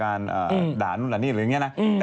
ด่านู่นด่านี่หรืออย่างนี้นะ